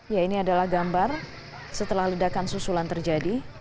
ya ini adalah gambar setelah ledakan susulan terjadi